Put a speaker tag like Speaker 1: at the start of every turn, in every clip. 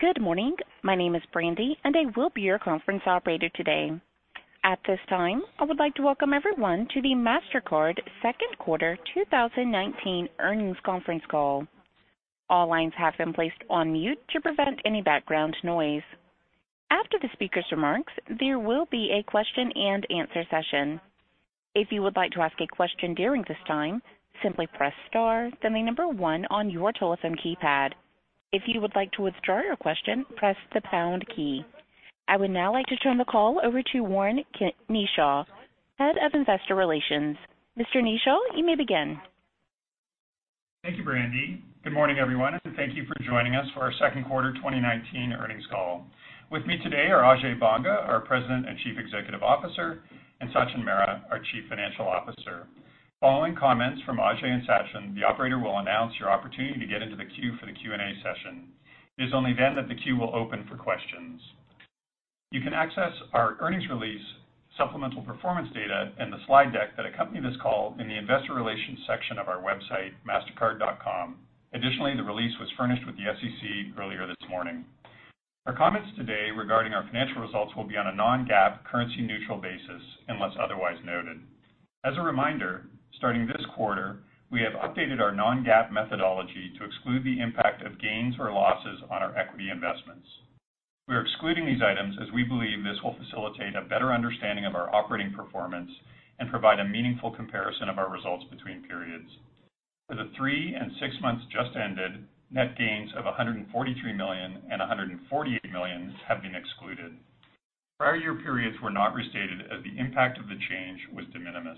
Speaker 1: Good morning. My name is Brandy, and I will be your conference operator today. At this time, I would like to welcome everyone to the Mastercard Q2 2019 Earnings Conference Call. All lines have been placed on mute to prevent any background noise. After the speaker's remarks, there will be a question-and-answer session. If you would like to ask a question during this time, simply press star, then the number one on your telephone keypad. If you would like to withdraw your question, press the pound key. I would now like to turn the call over to Warren Kneeshaw, Head of Investor Relations. Mr. Kneeshaw, you may begin.
Speaker 2: Thank you, Brandy. Good morning, everyone, and thank you for joining us for our Q2 2019 earnings call. With me today are Ajay Banga, our President and Chief Executive Officer, and Sachin Mehra, our Chief Financial Officer. Following comments from Ajay and Sachin, the operator will announce your opportunity to get into the queue for the Q&A session. It is only then that the queue will open for questions. You can access our earnings release, supplemental performance data, and the slide deck that accompany this call in the investor relations section of our website, mastercard.com. Additionally, the release was furnished with the SEC earlier this morning. Our comments today regarding our financial results will be on a non-GAAP, currency-neutral basis unless otherwise noted. As a reminder, starting this quarter, we have updated our non-GAAP methodology to exclude the impact of gains or losses on our equity investments. We are excluding these items as we believe this will facilitate a better understanding of our operating performance and provide a meaningful comparison of our results between periods. For the three and six months just ended, net gains of $143 million and $148 million have been excluded. Prior year periods were not restated as the impact of the change was de minimis.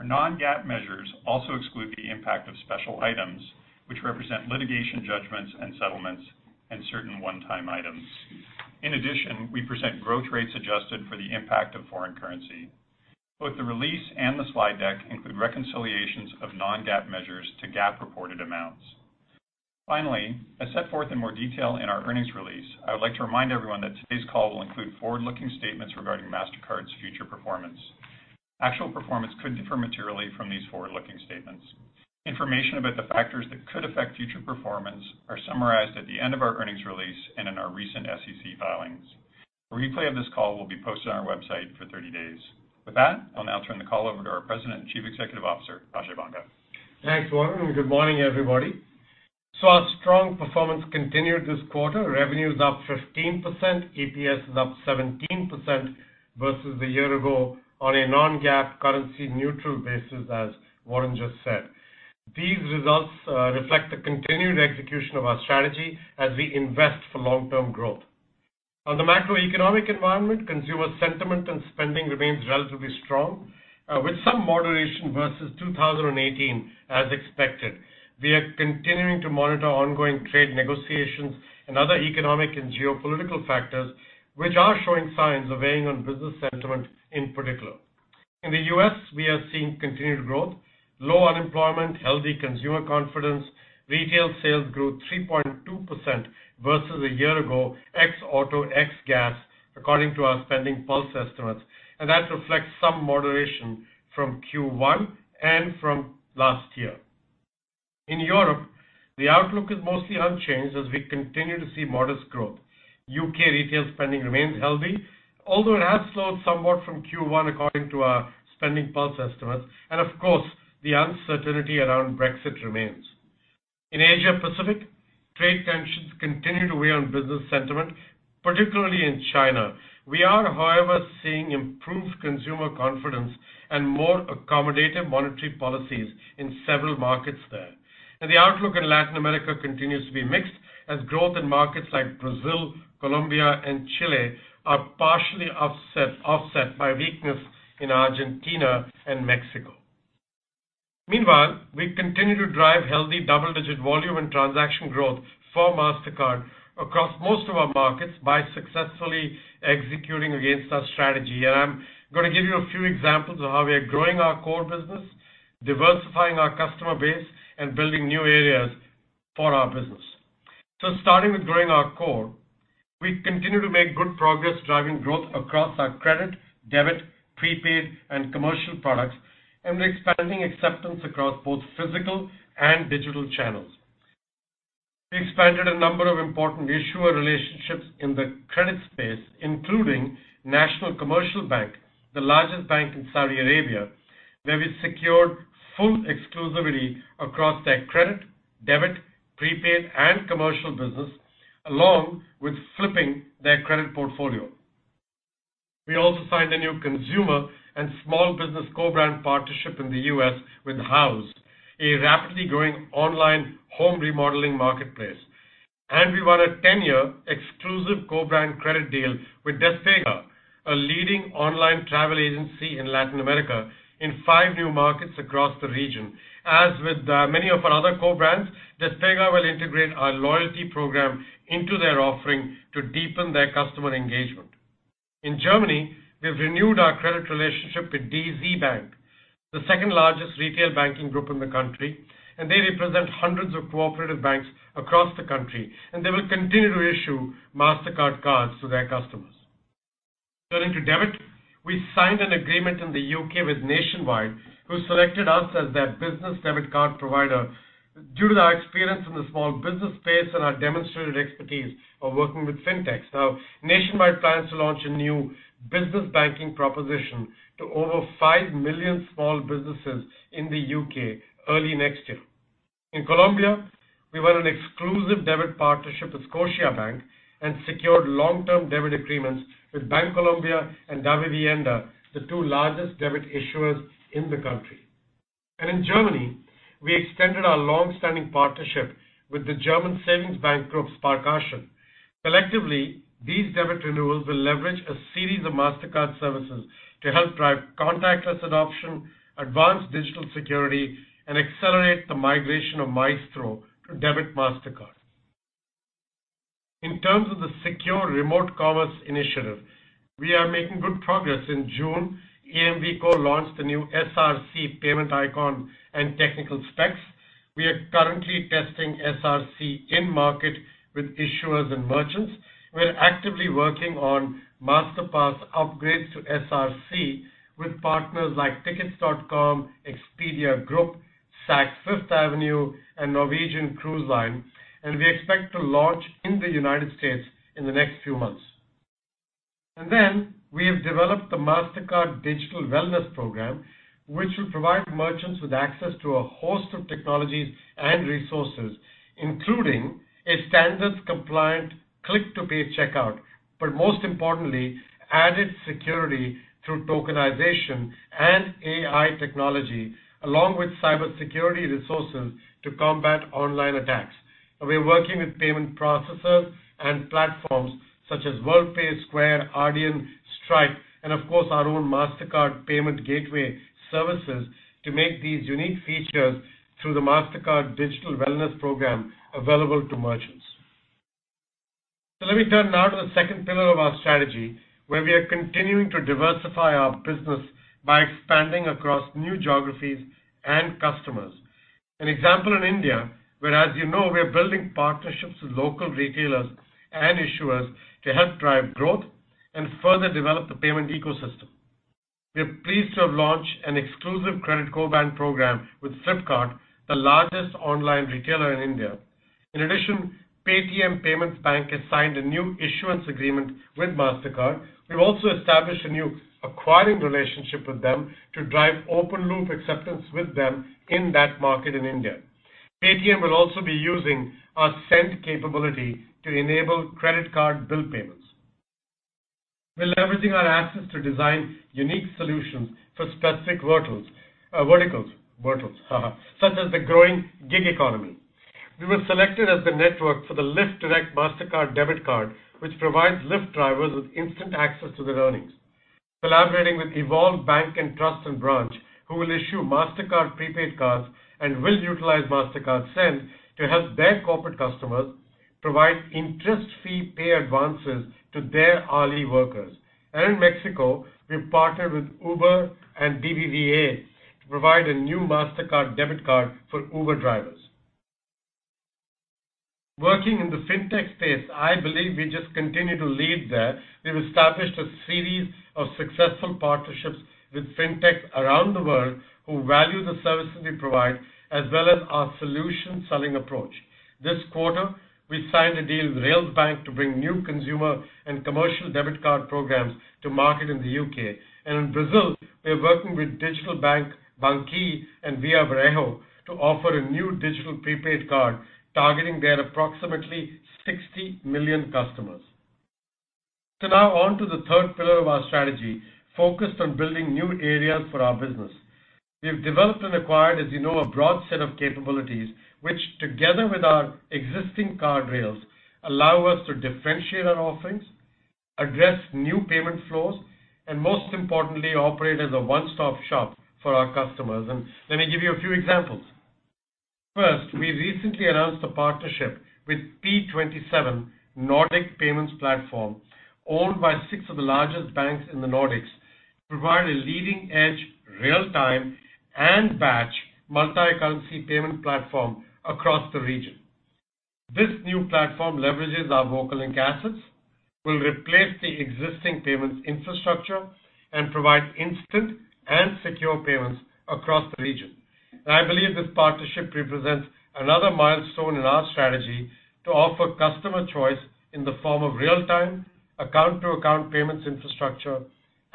Speaker 2: Our non-GAAP measures also exclude the impact of special items, which represent litigation judgments and settlements and certain one-time items. We present growth rates adjusted for the impact of foreign currency. Both the release and the slide deck include reconciliations of non-GAAP measures to GAAP reported amounts. As set forth in more detail in our earnings release, I would like to remind everyone that today's call will include forward-looking statements regarding Mastercard's future performance. Actual performance could differ materially from these forward-looking statements. Information about the factors that could affect future performance are summarized at the end of our earnings release and in our recent SEC filings. A replay of this call will be posted on our website for 30 days. With that, I'll now turn the call over to our President and Chief Executive Officer, Ajay Banga.
Speaker 3: Thanks, Warren, good morning, everybody. Our strong performance continued this quarter. Revenue is up 15%, EPS is up 17% versus a year ago on a non-GAAP currency neutral basis as Warren just said. These results reflect the continued execution of our strategy as we invest for long-term growth. On the macroeconomic environment, consumer sentiment and spending remains relatively strong, with some moderation versus 2018 as expected. We are continuing to monitor ongoing trade negotiations and other economic and geopolitical factors, which are showing signs of weighing on business sentiment in particular. In the U.S., we are seeing continued growth, low unemployment, healthy consumer confidence. Retail sales grew 3.2% versus a year ago, ex auto, ex gas, according to our SpendingPulse estimates, and that reflects some moderation from Q1 and from last year. In Europe, the outlook is mostly unchanged as we continue to see modest growth. U.K. retail spending remains healthy, although it has slowed somewhat from Q1 according to our SpendingPulse estimates. Of course, the uncertainty around Brexit remains. In Asia Pacific, trade tensions continue to weigh on business sentiment, particularly in China. We are, however, seeing improved consumer confidence and more accommodative monetary policies in several markets there. The outlook in Latin America continues to be mixed as growth in markets like Brazil, Colombia, and Chile are partially offset by weakness in Argentina and Mexico. Meanwhile, we continue to drive healthy double-digit volume and transaction growth for Mastercard across most of our markets by successfully executing against our strategy. I'm going to give you a few examples of how we are growing our core business, diversifying our customer base, and building new areas for our business. Starting with growing our core, we continue to make good progress driving growth across our credit, debit, prepaid, and commercial products and expanding acceptance across both physical and digital channels. We expanded a number of important issuer relationships in the credit space, including National Commercial Bank, the largest bank in Saudi Arabia, where we secured full exclusivity across their credit, debit, prepaid, and commercial business, along with flipping their credit portfolio. We also signed a new consumer and small business co-brand partnership in the U.S. with Houzz, a rapidly growing online home remodeling marketplace. We won a 10-year exclusive co-brand credit deal with Despegar, a leading online travel agency in Latin America, in five new markets across the region. As with many of our other co-brands, Despegar will integrate our loyalty program into their offering to deepen their customer engagement. In Germany, we've renewed our credit relationship with DZ BANK, the second-largest retail banking group in the country, and they represent hundreds of cooperative banks across the country, and they will continue to issue Mastercard cards to their customers. Turning to debit, we signed an agreement in the U.K. with Nationwide, who selected us as their business debit card provider due to our experience in the small business space and our demonstrated expertise of working with fintechs. Nationwide plans to launch a new business banking proposition to over 5 million small businesses in the U.K. early next year. In Colombia, we won an exclusive debit partnership with Scotiabank and secured long-term debit agreements with Bancolombia and Davivienda, the two largest debit issuers in the country. In Germany, we extended our longstanding partnership with the German savings bank group, Sparkasse. Collectively, these debit renewals will leverage a series of Mastercard services to help drive contactless adoption, advanced digital security, and accelerate the migration of Maestro to debit Mastercard. In terms of the secure remote commerce initiative, we are making good progress. In June, EMVCo co-launched the new SRC payment icon and technical specs. We are currently testing SRC in-market with issuers and merchants. We're actively working on Masterpass upgrades to SRC with partners like tickets.com, Expedia Group, Saks Fifth Avenue, and Norwegian Cruise Line, and we expect to launch in the United States in the next few months. We have developed the Mastercard Digital Wellness Program, which will provide merchants with access to a host of technologies and resources, including a standards-compliant click-to-pay checkout. Most importantly, added security through tokenization and AI technology, along with cybersecurity resources to combat online attacks. We're working with payment processors and platforms such as Worldpay, Square, Adyen, Stripe, and of course, our own Mastercard Payment Gateway Services to make these unique features through the Mastercard Digital Wellness Program available to merchants. Let me turn now to the second pillar of our strategy, where we are continuing to diversify our business by expanding across new geographies and customers. An example in India, where, as you know, we are building partnerships with local retailers and issuers to help drive growth and further develop the payment ecosystem. We are pleased to have launched an exclusive credit coband program with Flipkart, the largest online retailer in India. In addition, Paytm Payments Bank has signed a new issuance agreement with Mastercard. We've also established a new acquiring relationship with them to drive open-loop acceptance with them in that market in India. Paytm will also be using our Send capability to enable credit card bill payments. We're leveraging our assets to design unique solutions for specific verticals, such as the growing gig economy. We were selected as the network for the Lyft Direct Mastercard debit card, which provides Lyft drivers with instant access to their earnings. Collaborating with Evolve Bank & Trust and Branch, who will issue Mastercard prepaid cards and will utilize Mastercard Send to help their corporate customers provide interest fee pay advances to their hourly workers. In Mexico, we've partnered with Uber and BBVA to provide a new Mastercard debit card for Uber drivers. Working in the fintech space, I believe we just continue to lead there. We've established a series of successful partnerships with fintechs around the world who value the services we provide, as well as our solution selling approach. This quarter, we signed a deal with Railsbank to bring new consumer and commercial debit card programs to market in the U.K. In Brazil, we are working with digital bank banQi and Via Varejo to offer a new digital prepaid card targeting their approximately 60 million customers. Now on to the third pillar of our strategy, focused on building new areas for our business. We've developed and acquired, as you know, a broad set of capabilities, which together with our existing card rails, allow us to differentiate our offerings, address new payment flows, and most importantly, operate as a one-stop shop for our customers. Let me give you a few examples. First, we recently announced a partnership with P27, Nordic Payments Platform, owned by six of the largest banks in the Nordics, to provide a leading-edge real-time and batch multi-currency payment platform across the region. This new platform leverages our VocaLink assets, will replace the existing payments infrastructure, and provide instant and secure payments across the region. I believe this partnership represents another milestone in our strategy to offer customer choice in the form of real-time, account-to-account payments infrastructure,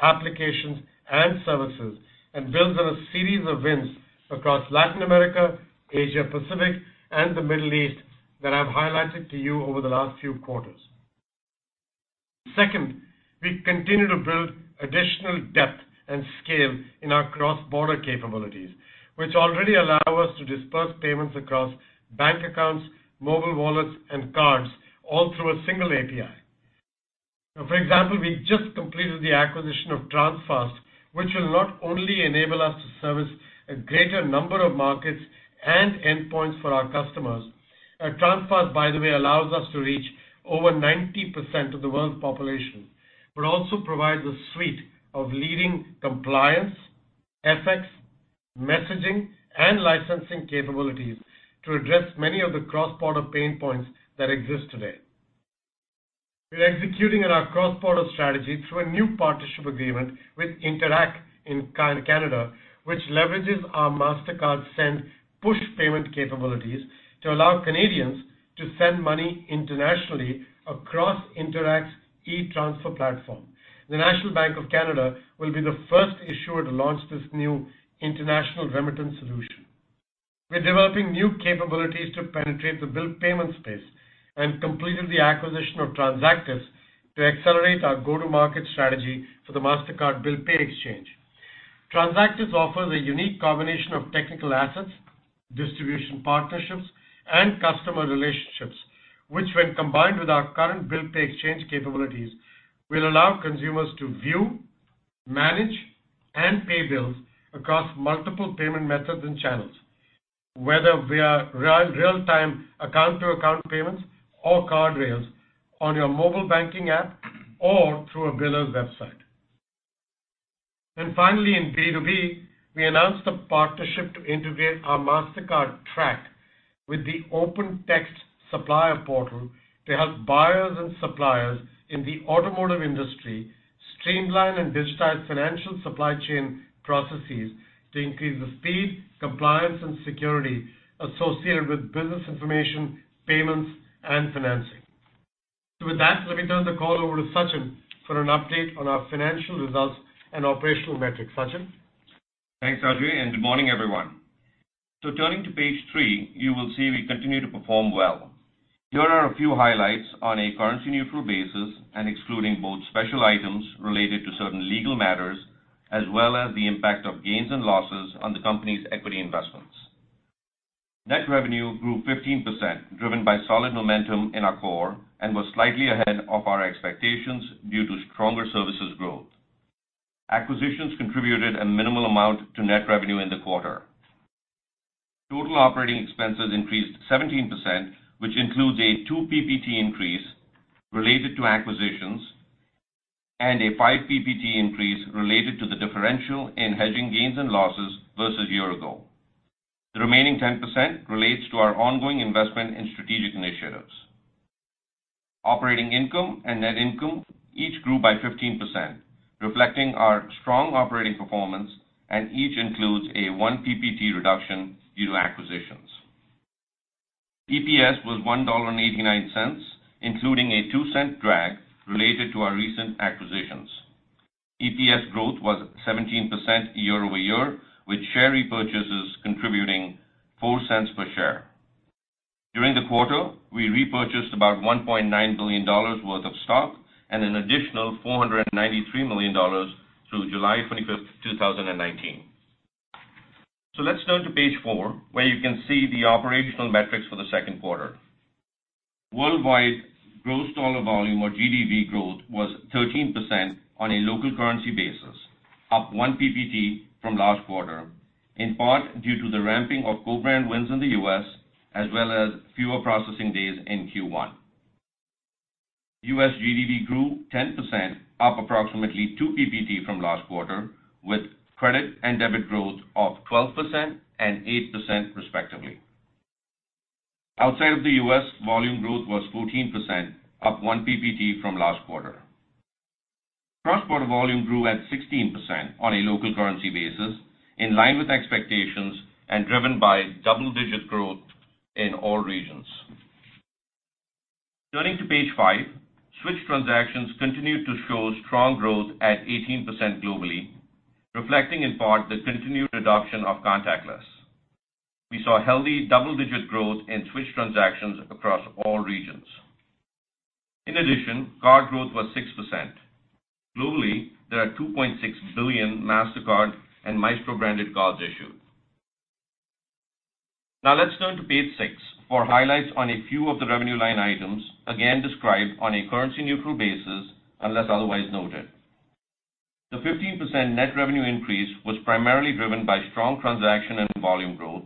Speaker 3: applications, and services, and builds on a series of wins across Latin America, Asia-Pacific, and the Middle East that I've highlighted to you over the last few quarters. Second, we continue to build additional depth and scale in our cross-border capabilities, which already allow us to disperse payments across bank accounts, mobile wallets, and cards, all through a single API. For example, we just completed the acquisition of Transfast, which will not only enable us to service a greater number of markets and endpoints for our customers. Transfast, by the way, allows us to reach over 90% of the world's population, but also provides a suite of leading compliance, FXMessaging and licensing capabilities to address many of the cross-border pain points that exist today. We are executing on our cross-border strategy through a new partnership agreement with Interac in Canada, which leverages our Mastercard Send push payment capabilities to allow Canadians to send money internationally across Interac's e-Transfer platform. The National Bank of Canada will be the first issuer to launch this new international remittance solution. We're developing new capabilities to penetrate the bill payment space and completed the acquisition of Transactis to accelerate our go-to-market strategy for the Mastercard Bill Pay Exchange. Transactis offers a unique combination of technical assets, distribution partnerships, and customer relationships, which when combined with our current Mastercard Bill Pay Exchange capabilities, will allow consumers to view, manage, and pay bills across multiple payment methods and channels, whether via real-time account-to-account payments or card rails on your mobile banking app or through a biller's website. Finally, in B2B, we announced a partnership to integrate our Mastercard Track with the OpenText supplier portal to help buyers and suppliers in the automotive industry streamline and digitize financial supply chain processes to increase the speed, compliance, and security associated with business information, payments, and financing. With that, let me turn the call over to Sachin for an update on our financial results and operational metrics. Sachin?
Speaker 4: Thanks, Ajay, and good morning, everyone. Turning to page three, you will see we continue to perform well. Here are a few highlights on a currency-neutral basis and excluding both special items related to certain legal matters, as well as the impact of gains and losses on the company's equity investments. Net revenue grew 15%, driven by solid momentum in our core and was slightly ahead of our expectations due to stronger services growth. Acquisitions contributed a minimal amount to net revenue in the quarter. Total operating expenses increased 17%, which includes a two PPT increase related to acquisitions and a five PPT increase related to the differential in hedging gains and losses versus a year ago. The remaining 10% relates to our ongoing investment in strategic initiatives. Operating income and net income each grew by 15%, reflecting our strong operating performance, and each includes a one PPT reduction due to acquisitions. EPS was $1.89, including a $0.02 drag related to our recent acquisitions. EPS growth was 17% year-over-year, with share repurchases contributing $0.04 per share. During the quarter, we repurchased about $1.9 billion worth of stock and an additional $493 million through July 25th, 2019. Let's turn to page four, where you can see the operational metrics for the Q2. Worldwide gross dollar volume or GDV growth was 13% on a local currency basis, up one PPT from last quarter, in part due to the ramping of co-brand wins in the U.S. as well as fewer processing days in Q1. U.S. GDV grew 10%, up approximately two PPT from last quarter, with credit and debit growth of 12% and 8% respectively. Outside of the US, volume growth was 14%, up one PPT from last quarter. Cross-border volume grew at 16% on a local currency basis, in line with expectations and driven by double-digit growth in all regions. Turning to page five, switch transactions continued to show strong growth at 18% globally, reflecting in part the continued adoption of contactless. We saw healthy double-digit growth in switch transactions across all regions. In addition, card growth was 6%. Globally, there are 2.6 billion Mastercard and Maestro-branded cards issued. Now let's turn to page six for highlights on a few of the revenue line items, again described on a currency-neutral basis unless otherwise noted. The 15% net revenue increase was primarily driven by strong transaction and volume growth,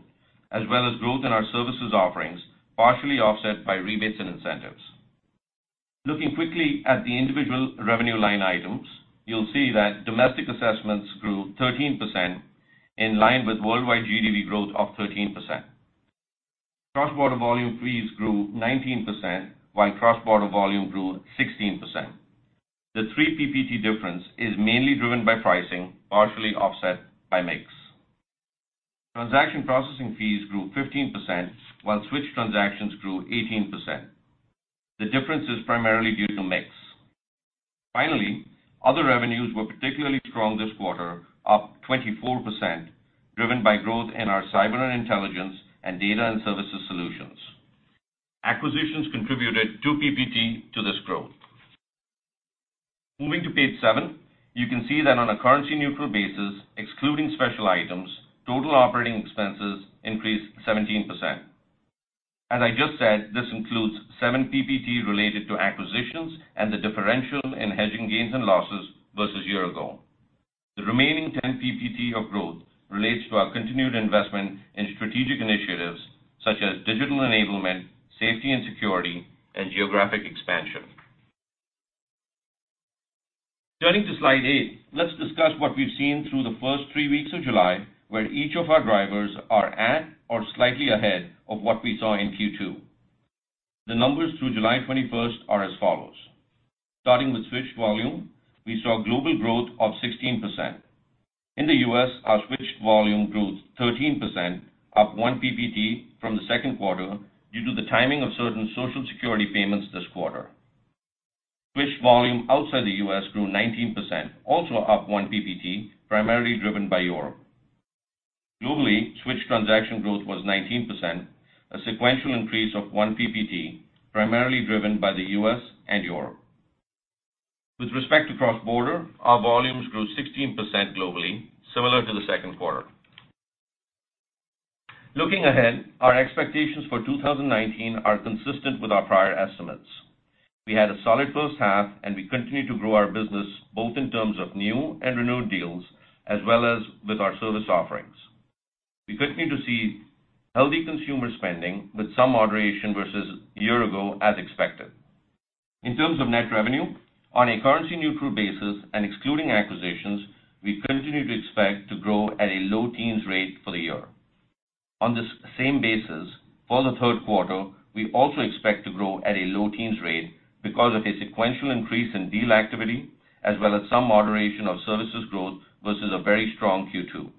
Speaker 4: as well as growth in our services offerings, partially offset by rebates and incentives. Looking quickly at the individual revenue line items, you'll see that domestic assessments grew 13%, in line with worldwide GDV growth of 13%. Cross-border volume fees grew 19%, while cross-border volume grew 16%. The three PPT difference is mainly driven by pricing, partially offset by mix. Transaction processing fees grew 15%, while switch transactions grew 18%. The difference is primarily due to mix. Finally, other revenues were particularly strong this quarter, up 24%, driven by growth in our Cyber & Intelligence and Data & Services solutions. Acquisitions contributed two PPT to this growth. Moving to page seven, you can see that on a currency-neutral basis, excluding special items, total operating expenses increased 17%. As I just said, this includes seven PPT related to acquisitions and the differential in hedging gains and losses versus a year ago. The remaining 10 PPT of growth relates to our continued investment in strategic initiatives such as digital enablement, safety and security, and geographic expansion. Turning to slide eight, let's discuss what we've seen through the first three weeks of July, where each of our drivers are at or slightly ahead of what we saw in Q2. The numbers through July 21st are as follows. Starting with switched volume, we saw global growth of 16%. In the U.S., our switched volume grew 13%, up one PPT from the Q2 due to the timing of certain Social Security payments this quarter. Switched volume outside the U.S. grew 19%, also up one PPT, primarily driven by Europe. Globally, switched transaction growth was 19%, a sequential increase of one PPT, primarily driven by the U.S. and Europe. With respect to cross-border, our volumes grew 16% globally, similar to the Q2. Looking ahead, our expectations for 2019 are consistent with our prior estimates. We had a solid H1, and we continue to grow our business both in terms of new and renewed deals, as well as with our service offerings. We continue to see healthy consumer spending with some moderation versus a year ago, as expected. In terms of net revenue, on a currency-neutral basis and excluding acquisitions, we continue to expect to grow at a low teens rate for the year. On this same basis, for the Q3, we also expect to grow at a low teens rate because of a sequential increase in deal activity, as well as some moderation of services growth versus a very strong Q2.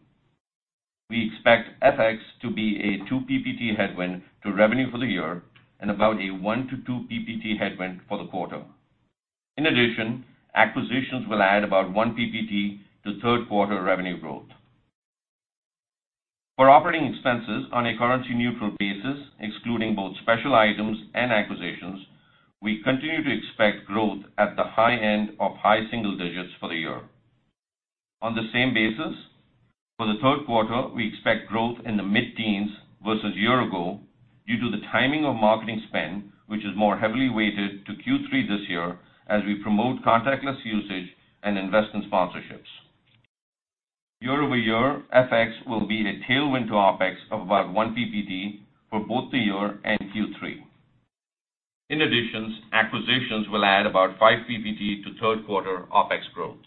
Speaker 4: We expect FX to be a two PPT headwind to revenue for the year and about a one to two PPT headwind for the quarter. In addition, acquisitions will add about one PPT to Q3 revenue growth. For operating expenses on a currency-neutral basis, excluding both special items and acquisitions, we continue to expect growth at the high end of high single digits for the year. On the same basis, for the Q3, we expect growth in the mid-teens versus a year-ago due to the timing of marketing spend, which is more heavily weighted to Q3 this year as we promote contactless usage and invest in sponsorships. Year-over-year, FX will be the tailwind to OpEx of about one PPT for both the year and Q3. In addition, acquisitions will add about five PPT to Q3 OpEx growth.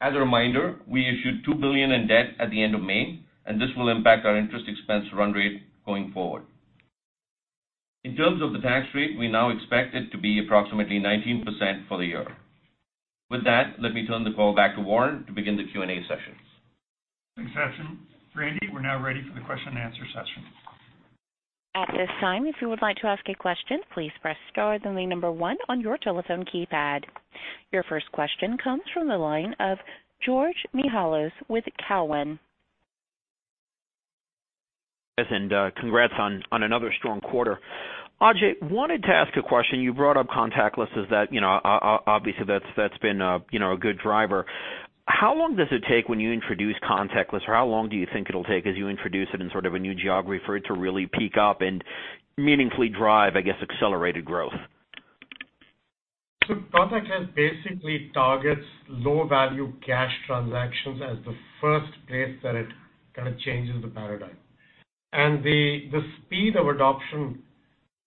Speaker 4: As a reminder, we issued $2 billion in debt at the end of May, this will impact our interest expense run rate going forward. In terms of the tax rate, we now expect it to be approximately 19% for the year. With that, let me turn the call back to Warren to begin the Q&A session.
Speaker 2: Thanks, Sachin. Brandy, we're now ready for the question-and-answer session.
Speaker 1: At this time, if you would like to ask a question, please press star, then the number one on your telephone keypad. Your first question comes from the line of George Mihalos with Cowen.
Speaker 5: Yes, congrats on another strong quarter. Ajay, I wanted to ask a question. You brought up contactless. Obviously, that's been a good driver. How long does it take when you introduce contactless, or how long do you think it'll take as you introduce it in sort of a new geography for it to really peak up and meaningfully drive, I guess, accelerated growth?
Speaker 3: Contactless basically targets low-value cash transactions as the first place that it kind of changes the paradigm. The speed of adoption,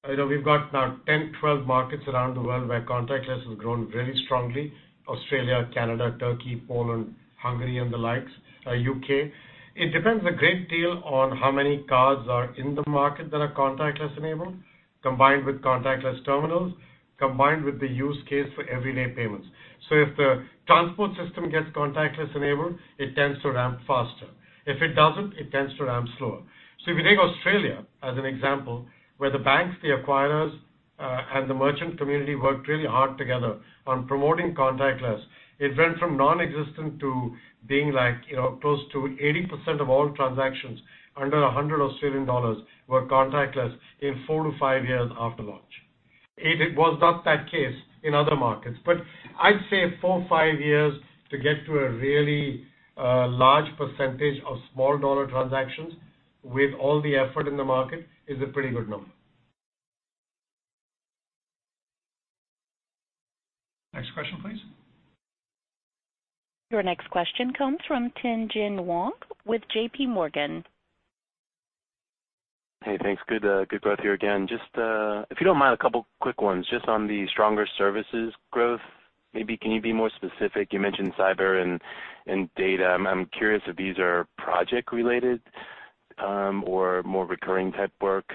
Speaker 3: we've got now 10, 12 markets around the world where contactless has grown very strongly. Australia, Canada, Turkey, Poland, Hungary, and the likes, U.K. It depends a great deal on how many cards are in the market that are contactless-enabled, combined with contactless terminals, combined with the use case for everyday payments. If the transport system gets contactless-enabled, it tends to ramp faster. If it doesn't, it tends to ramp slower. If you take Australia as an example, where the banks, the acquirers, and the merchant community worked really hard together on promoting contactless, it went from non-existent to being close to 80% of all transactions under 100 Australian dollars were contactless in four-five years after launch. It was not that case in other markets. I'd say four, five years to get to a really large percentage of small-dollar transactions with all the effort in the market is a pretty good number.
Speaker 2: Next question, please.
Speaker 1: Your next question comes from Tien-tsin Huang with J.P. Morgan.
Speaker 6: Hey, thanks. Good growth here again. Just, if you don't mind, a couple quick ones. Just on the stronger services growth, maybe can you be more specific? You mentioned cyber and data. I'm curious if these are project-related or more recurring type work.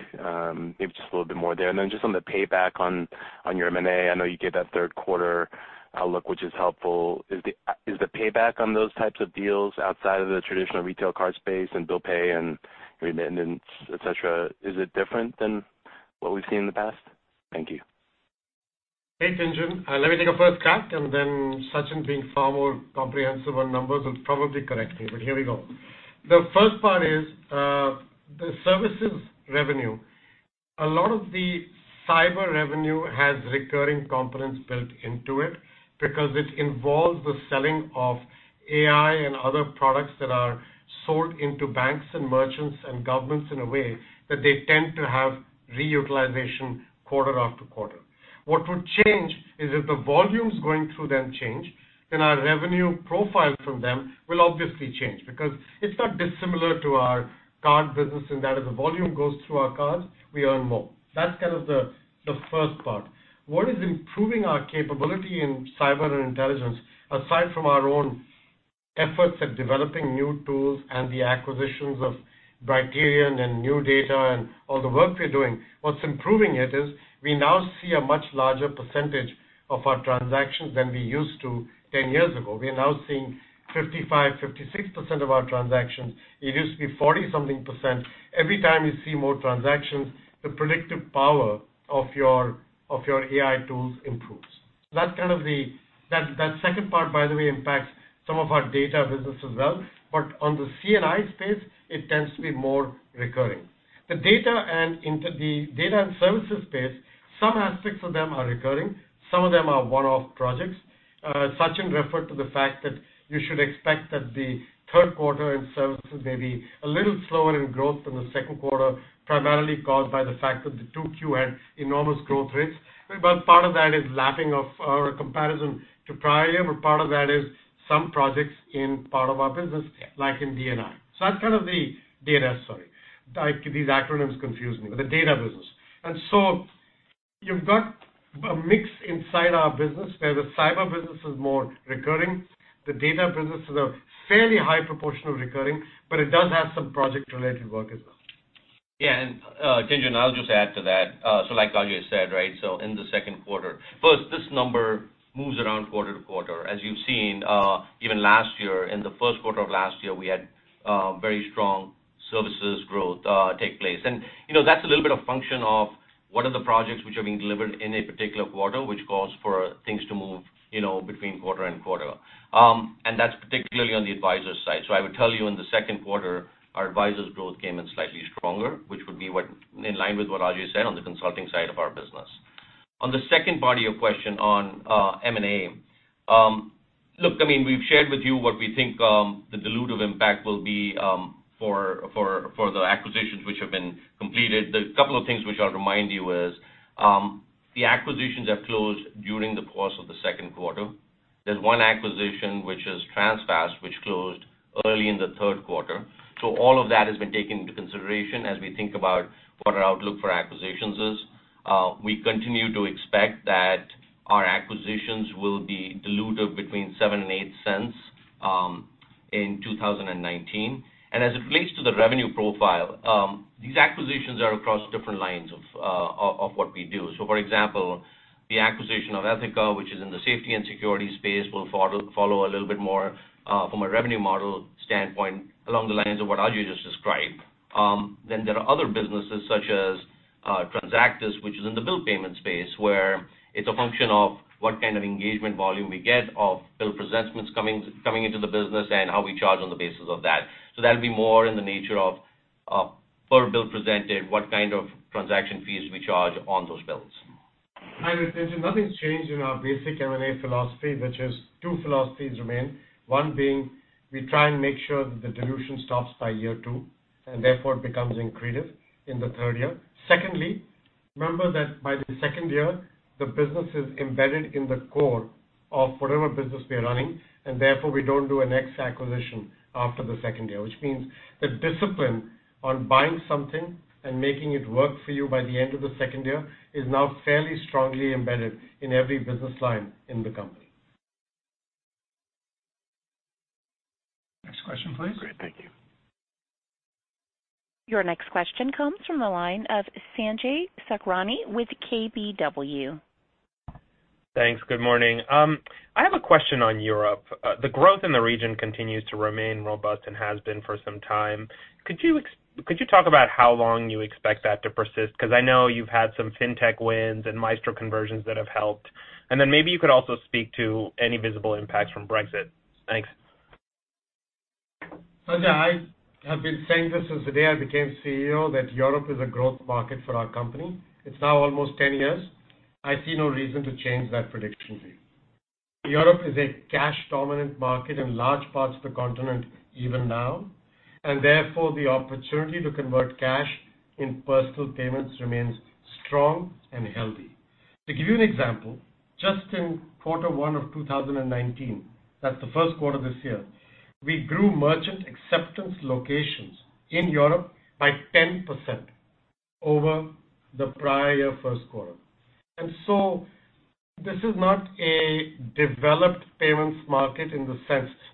Speaker 6: Maybe just a little bit more there. Just on the payback on your M&A, I know you gave that Q3 outlook, which is helpful. Is the payback on those types of deals outside of the traditional retail card space and bill pay and remittances, et cetera, is it different than what we've seen in the past? Thank you.
Speaker 3: Hey, Tien-tsin. Let me take a first crack, and then Sachin, being far more comprehensive on numbers, will probably correct me, but here we go. The first part is the services revenue. A lot of the cyber revenue has recurring components built into it because it involves the selling of AI and other products that are sold into banks and merchants and governments in a way that they tend to have reutilization quarter-after-quarter. What would change is if the volumes going through them change, then our revenue profile from them will obviously change because it's not dissimilar to our card business in that if the volume goes through our cards, we earn more. That's kind of the first part. What is improving our capability in cyber intelligence, aside from our own Efforts at developing new tools and the acquisitions of Criterion and NuData and all the work we're doing, what's improving it is we now see a much larger percentage of our transactions than we used to 10 years ago. We are now seeing 55%, 56% of our transactions. It used to be 40 something percent. Every time you see more transactions, the predictive power of your AI tools improves. That second part, by the way, impacts some of our data business as well. On the C&I space, it tends to be more recurring. The Data & Services space, some aspects of them are recurring, some of them are one-off projects. Sachin referred to the fact that you should expect that the Q3 in services may be a little slower in growth than the Q2, primarily caused by the fact that the 2Q had enormous growth rates. Part of that is lapping of our comparison to prior year, but part of that is some projects in part of our business, like in D&S. D&S, sorry. These acronyms confuse me. The data business. You've got a mix inside our business where the cyber business is more recurring. The data business is a fairly high proportion of recurring, but it does have some project-related work as well.
Speaker 4: Yeah. Tien-tsin, I'll just add to that. Like Ajay said, right? In the Q2, this number moves around quarter-to-quarter. As you've seen, even last year, in the Q1 of last year, we had very strong services growth take place. That's a little bit of function of what are the projects which are being delivered in a particular quarter, which calls for things to move between quarter-and-quarter. That's particularly on the advisors side. I would tell you in the Q2, our advisors growth came in slightly stronger, which would be in line with what Ajay said on the consulting side of our business. On the second part of your question on M&A. Look, we've shared with you what we think the dilutive impact will be for the acquisitions which have been completed. There's a couple of things which I'll remind you is, the acquisitions that closed during the course of the Q2. There's one acquisition, which is Transfast, which closed early in the Q3. All of that has been taken into consideration as we think about what our outlook for acquisitions is. We continue to expect that our acquisitions will be dilutive between $0.07 and $0.08 in 2019. As it relates to the revenue profile, these acquisitions are across different lines of what we do. For example, the acquisition of Ethoca, which is in the safety and security space, will follow a little bit more, from a revenue model standpoint, along the lines of what Ajay just described. There are other businesses such as Transactis, which is in the bill payment space, where it's a function of what kind of engagement volume we get of bill presentments coming into the business and how we charge on the basis of that. That'll be more in the nature of per bill presented, what kind of transaction fees we charge on those bills.
Speaker 3: Hi, Tien-tsin. Nothing's changed in our basic M&A philosophy, which is two philosophies remain. One being, we try and make sure that the dilution stops by year two, and therefore it becomes accretive in the third year. Secondly, remember that by the second year, the business is embedded in the core of whatever business we are running, and therefore we don't do a next acquisition after the second year, which means the discipline on buying something and making it work for you by the end of the second year is now fairly strongly embedded in every business line in the company.
Speaker 2: Next question, please.
Speaker 6: Great. Thank you.
Speaker 1: Your next question comes from the line of Sanjay Sakhrani with KBW.
Speaker 7: Thanks. Good morning. I have a question on Europe. The growth in the region continues to remain robust and has been for some time. Could you talk about how long you expect that to persist? I know you've had some fintech wins and Maestro conversions that have helped. Maybe you could also speak to any visible impacts from Brexit. Thanks.
Speaker 3: Sanjay, I have been saying this since the day I became CEO, that Europe is a growth market for our company. It's now almost 10 years. I see no reason to change that prediction view. Europe is a cash-dominant market in large parts of the continent even now. Therefore, the opportunity to convert cash in personal payments remains strong and healthy. To give you an example, just in Q1 of 2019, that's the Q1 this year, we grew merchant acceptance locations in Europe by 10% over the prior Q1. So this is not a developed payments market.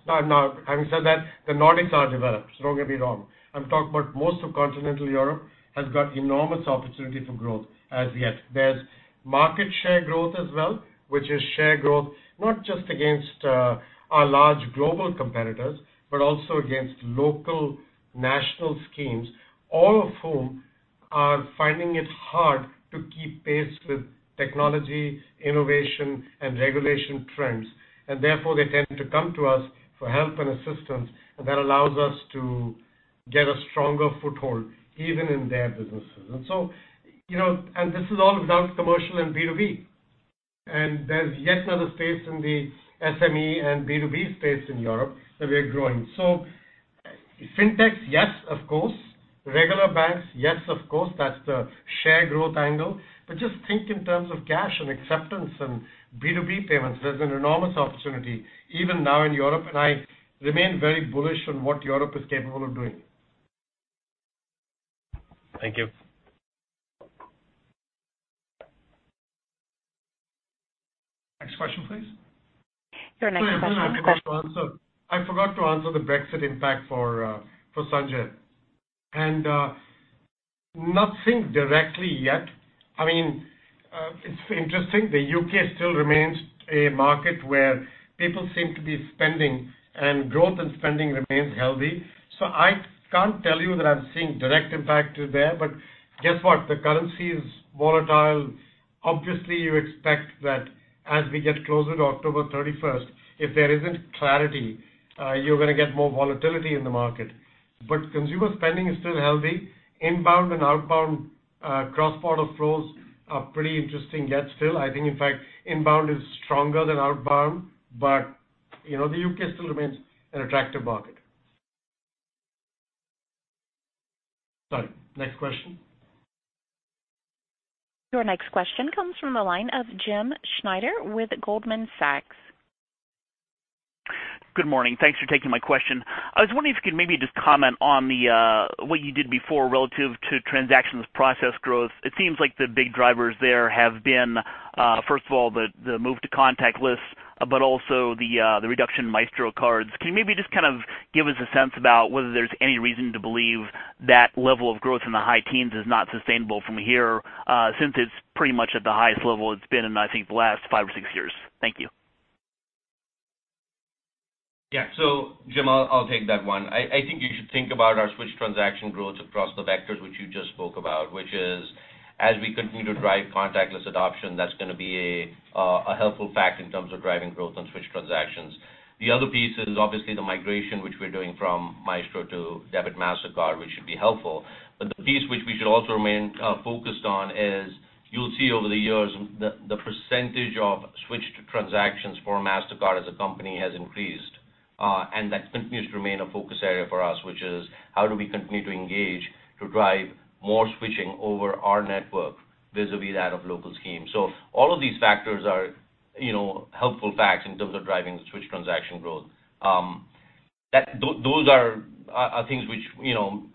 Speaker 3: Now, having said that, the Nordics are developed. Don't get me wrong. I'm talking about most of Continental Europe has got enormous opportunity for growth as yet. There's market share growth as well, which is share growth, not just against our large global competitors, but also against local national schemes, all of whom are finding it hard to keep pace with technology, innovation, and regulation trends. Therefore they tend to come to us for help and assistance, and that allows us to get a stronger foothold even in their businesses. This is all without commercial and B2B. There's yet another space in the SME and B2B space in Europe that we are growing. Fintechs, yes, of course. Regular banks, yes, of course. That's the share growth angle. Just think in terms of cash and acceptance and B2B payments. There's an enormous opportunity even now in Europe, and I remain very bullish on what Europe is capable of doing.
Speaker 7: Thank you.
Speaker 2: Next question, please.
Speaker 1: Your next question comes-
Speaker 3: Sorry, I forgot to answer the Brexit impact for Sanjay. Nothing directly yet. It's interesting, the U.K. still remains a market where people seem to be spending, and growth and spending remains healthy. I can't tell you that I'm seeing direct impact there. Guess what? The currency is volatile. Obviously, you expect that as we get closer to October 31st, if there isn't clarity, you're going to get more volatility in the market. Consumer spending is still healthy. Inbound and outbound cross-border flows are pretty interesting yet still. I think, in fact, inbound is stronger than outbound. The U.K. still remains an attractive market. Sorry, next question.
Speaker 1: Your next question comes from the line of Jim Schneider with Goldman Sachs.
Speaker 8: Good morning. Thanks for taking my question. I was wondering if you could maybe just comment on what you did before relative to transactions process growth. It seems like the big drivers there have been, first of all, the move to contactless, but also the reduction in Maestro cards. Can you maybe just give us a sense about whether there's any reason to believe that level of growth in the high teens is not sustainable from here, since it's pretty much at the highest level it's been in, I think, the last five or six years? Thank you.
Speaker 4: Yeah. Jim, I'll take that one. I think you should think about our switch transaction growth across the vectors which you just spoke about, which is as we continue to drive contactless adoption, that's going to be a helpful factor in terms of driving growth on switch transactions. The other piece is obviously the migration, which we're doing from Maestro to Debit Mastercard, which should be helpful. The piece which we should also remain focused on is you'll see over the years, the percentage of switch to transactions for Mastercard as a company has increased. That continues to remain a focus area for us, which is how do we continue to engage to drive more switching over our network vis-a-vis that of local schemes. All of these factors are helpful facts in terms of driving switch transaction growth. Those are things which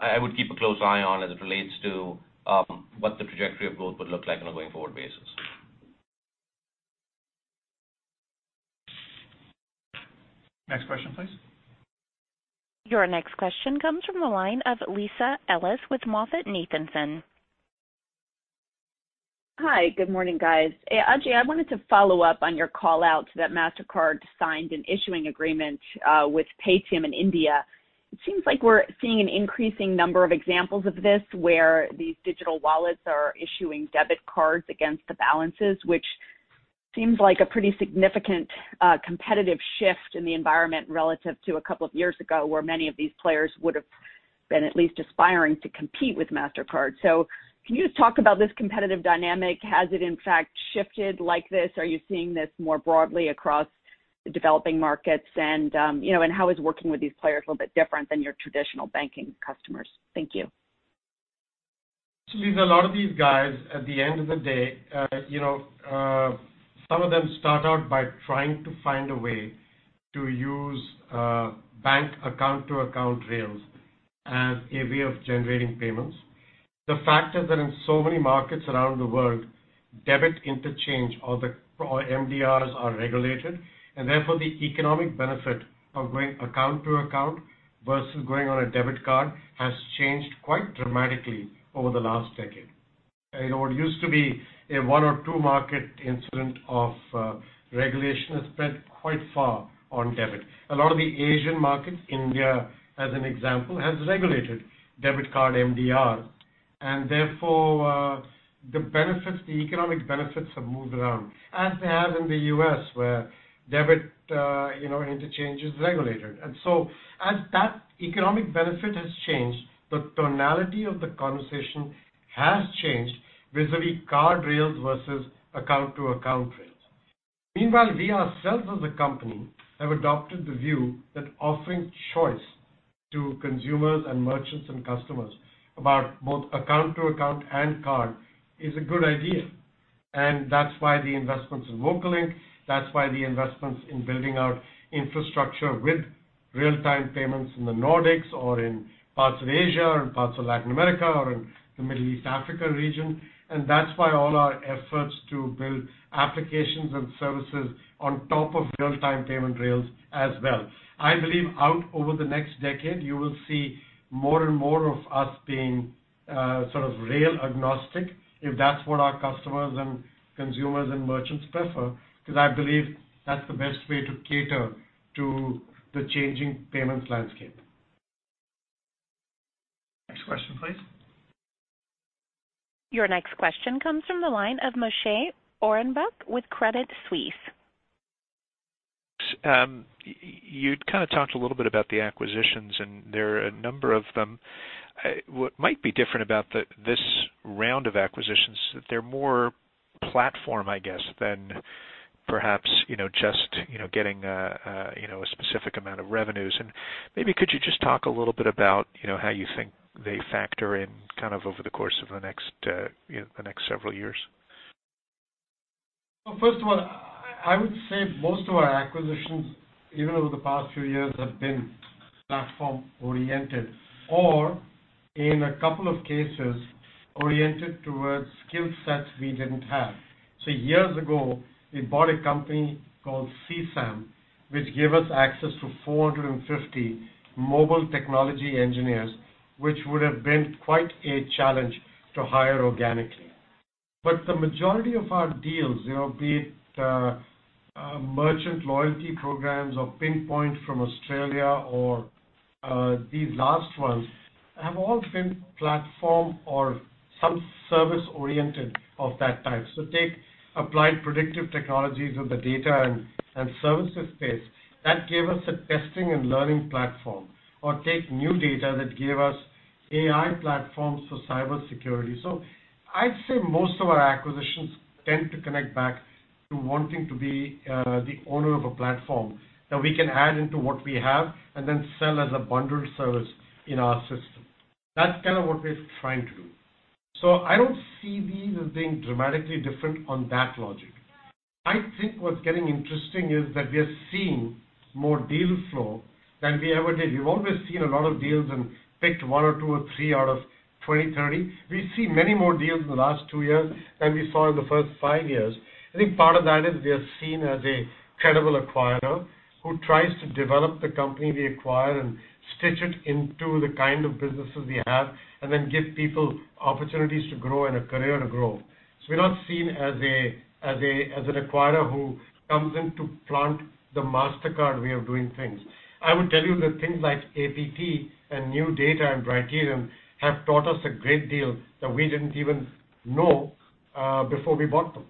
Speaker 4: I would keep a close eye on as it relates to what the trajectory of growth would look like on a going-forward basis.
Speaker 2: Next question, please.
Speaker 1: Your next question comes from the line of Lisa Ellis with MoffettNathanson.
Speaker 9: Hi, good morning, guys. Ajay, I wanted to follow-up on your call-out that Mastercard signed an issuing agreement with Paytm in India. It seems like we're seeing an increasing number of examples of this, where these digital wallets are issuing debit cards against the balances, which seems like a pretty significant competitive shift in the environment relative to a couple of years ago, where many of these players would've been at least aspiring to compete with Mastercard. Can you just talk about this competitive dynamic? Has it in fact shifted like this? Are you seeing this more broadly across the developing markets? How is working with these players a little bit different than your traditional banking customers? Thank you.
Speaker 3: Lisa, a lot of these guys, at the end of the day, some of them start out by trying to find a way to use bank account-to-account rails as a way of generating payments. The fact is that in so many markets around the world, debit interchange or MDRs are regulated, and therefore the economic benefit of going account-to-account versus going on a debit card has changed quite dramatically over the last decade. It used to be a one or two-market incident of regulation has spread quite far on debit. A lot of the Asian markets, India, as an example, has regulated debit card MDRs. Therefore, the economic benefits have moved around, as they have in the U.S., where debit interchange is regulated. As that economic benefit has changed, the tonality of the conversation has changed vis-a-vis card rails versus account-to-account rails. Meanwhile, we ourselves as a company have adopted the view that offering choice to consumers and merchants and customers about both account-to-account and card is a good idea. That's why the investments in VocaLink, that's why the investments in building out infrastructure with real-time payments in the Nordics or in parts of Asia or in parts of Latin America or in the Middle East, Africa region, and that's why all our efforts to build applications and services on top of real-time payment rails as well. I believe out over the next decade, you will see more and more of us being sort of rail agnostic if that's what our customers and consumers and merchants prefer, because I believe that's the best way to cater to the changing payments landscape.
Speaker 2: Next question, please.
Speaker 1: Your next question comes from the line of Moshe Orenbuch with Credit Suisse.
Speaker 10: You'd talked a little bit about the acquisitions, and there are a number of them. What might be different about this round of acquisitions is that they're more platform, I guess, than perhaps just getting a specific amount of revenues. Maybe could you just talk a little bit about how you think they factor in over the course of the next several years?
Speaker 3: Well, first of all I would say most of our acquisitions, even over the past few years, have been platform-oriented or, in a couple of cases, oriented towards skill sets we didn't have. Years ago, we bought a company called C-SAM, which gave us access to 450 mobile technology engineers, which would have been quite a challenge to hire organically. The majority of our deals, be it merchant loyalty programs or Pinpoint from Australia or these last ones, have all been platform or some service-oriented of that type. Take Applied Predictive Technologies with the Data & Services space. That gave us a testing and learning platform. Take NuData that gave us AI platforms for cybersecurity. I'd say most of our acquisitions tend to connect back to wanting to be the owner of a platform that we can add into what we have and then sell as a bundled service in our system. That's kind of what we're trying to do. I don't see these as being dramatically different on that logic. I think what's getting interesting is that we are seeing more deal flow than we ever did. We've always seen a lot of deals and picked one or two or three out of 20, 30. We've seen many more deals in the last two years than we saw in the first five years. I think part of that is we are seen as a credible acquirer who tries to develop the company we acquire and stitch it into the kind of businesses we have, and then give people opportunities to grow and a career to grow. We're not seen as an acquirer who comes in to plant the Mastercard way of doing things. I would tell you that things like APT and NuData and Brighterion have taught us a great deal that we didn't even know before we bought them.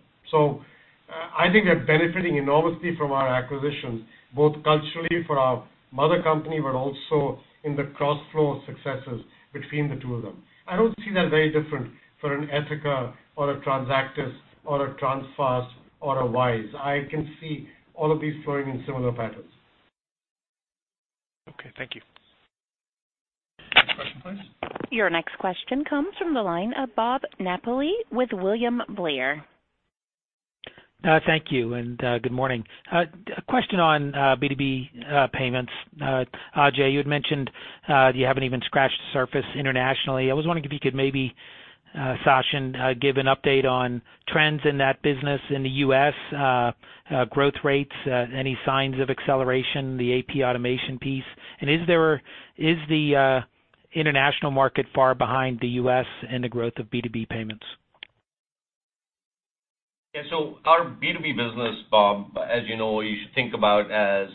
Speaker 3: I think we're benefiting enormously from our acquisitions, both culturally for our mother company, but also in the cross-flow of successes between the two of them. I don't see that very different for an Ethoca or a Transactis or a Transfast or a Vyze. I can see all of these flowing in similar patterns.
Speaker 10: Okay, thank you.
Speaker 2: Next question, please.
Speaker 1: Your next question comes from the line of Bob Napoli with William Blair.
Speaker 11: Thank you, and good morning. A question on B2B payments. Ajay, you had mentioned that you haven't even scratched the surface internationally. I was wondering if you could maybe, Sachin, give an update on trends in that business in the U.S., growth rates any signs of acceleration, the AP automation piece. Is the international market far behind the U.S. in the growth of B2B payments?
Speaker 4: Yeah. Our B2B business, Bob, as you know, you should think about as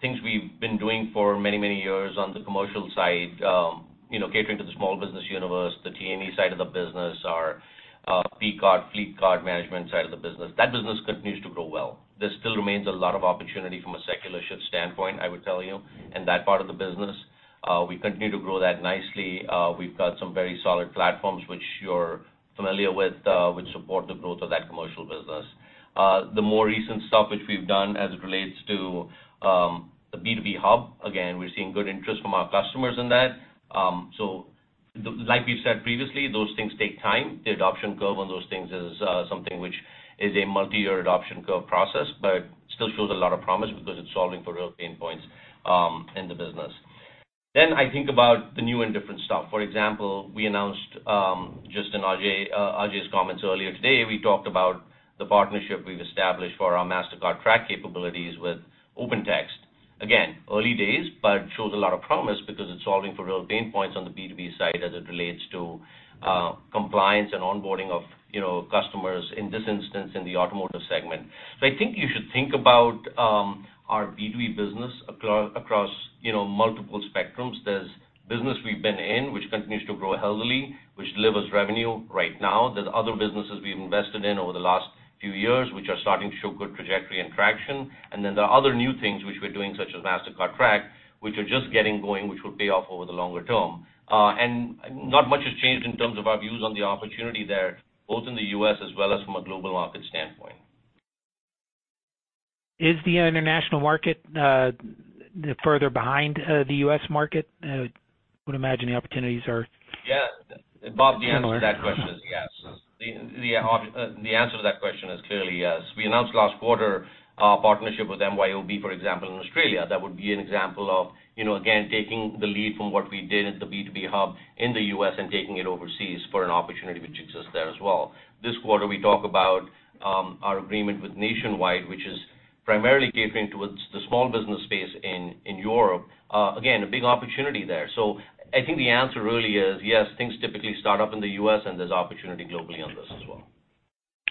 Speaker 4: things we've been doing for many, many years on the commercial side. Catering to the small business universe, the T&E side of the business, our P-Card, fleet card management side of the business. That business continues to grow well. There still remains a lot of opportunity from a secular shift standpoint, I would tell you, in that part of the business. We continue to grow that nicely. We've got some very solid platforms which you're familiar with, which support the growth of that commercial business. The more recent stuff which we've done as it relates to the B2B Hub, again, we're seeing good interest from our customers in that. Like we've said previously, those things take time. The adoption curve on those things is something which is a multi-year adoption curve process, but still shows a lot of promise because it's solving for real pain points in the business. I think about the new and different stuff. For example, we announced, just in Ajay's comments earlier today, we talked about the partnership we've established for our Mastercard Track capabilities with OpenText. Again, early days, but shows a lot of promise because it's solving for real pain points on the B2B side as it relates to compliance and onboarding of customers, in this instance, in the automotive segment. I think you should think about our B2B business across multiple spectrums. There's business we've been in, which continues to grow healthily, which delivers revenue right now. There's other businesses we've invested in over the last few years, which are starting to show good trajectory and traction. There are other new things which we're doing, such as Mastercard Track, which are just getting going, which will pay off over the longer term. Not much has changed in terms of our views on the opportunity there, both in the U.S. as well as from a global market standpoint.
Speaker 11: Is the international market further behind the U.S. market? I would imagine the opportunities are similar.
Speaker 4: Yeah. Bob, the answer to that question is yes. The answer to that question is clearly yes. We announced last quarter our partnership with MYOB, for example, in Australia. That would be an example of, again, taking the lead from what we did at the B2B Hub in the U.S. and taking it overseas for an opportunity which exists there as well. This quarter, we talk about our agreement with Nationwide, which is primarily catering towards the small business space in Europe. Again, a big opportunity there. I think the answer really is yes, things typically start up in the U.S. and there's opportunity globally on this as well.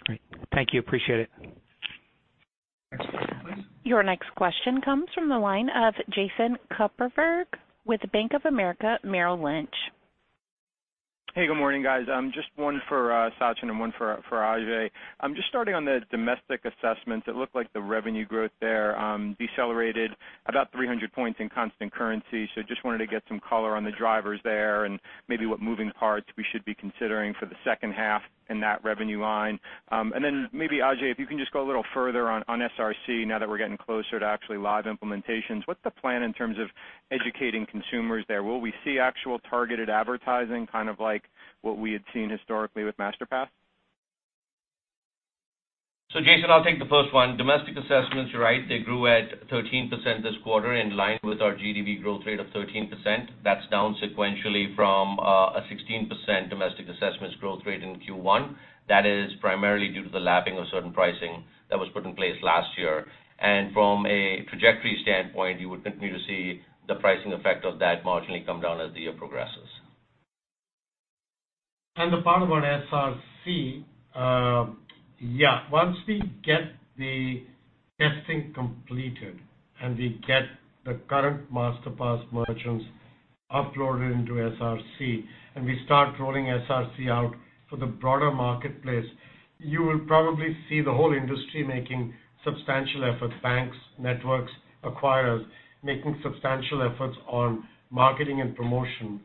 Speaker 11: Great. Thank you. Appreciate it.
Speaker 2: Next question, please.
Speaker 1: Your next question comes from the line of Jason Kupferberg with Bank of America Merrill Lynch.
Speaker 12: Hey, good morning, guys. One for Sachin and one for Ajay. Starting on the domestic assessments, it looked like the revenue growth there decelerated about 300 points in constant currency. Wanted to get some color on the drivers there and maybe what moving parts we should be considering for the H2 in that revenue line. Then maybe, Ajay, if you can go a little further on SRC now that we're getting closer to actually live implementations. What's the plan in terms of educating consumers there? Will we see actual targeted advertising, like what we had seen historically with Masterpass?
Speaker 4: Jason, I'll take the first one. Domestic assessments, you're right, they grew at 13% this quarter in line with our GDV growth rate of 13%. That's down sequentially from a 16% domestic assessments growth rate in Q1. That is primarily due to the lapping of certain pricing that was put in place last year. From a trajectory standpoint, you would continue to see the pricing effect of that marginally come down as the year progresses.
Speaker 3: The part about SRC, once we get the testing completed and we get the current MasterPass merchants uploaded into SRC, and we start rolling SRC out for the broader marketplace, you will probably see the whole industry making substantial efforts. Banks, networks, acquirers, making substantial efforts on marketing and promotion